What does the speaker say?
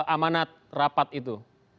amanat rapat itu